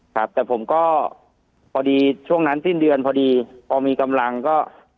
ครับแต่ผมก็พอดีช่วงนั้นสิ้นเดือนพอดีพอมีกำลังก็